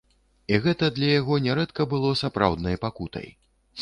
І гэта для яго нярэдка было сапраўднай пакутай!